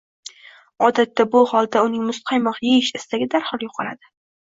Odatda bu holda uning muzqaymoq yeyish istagi darhol yo‘qoladi.